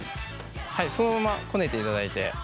はいそのままこねていただいて。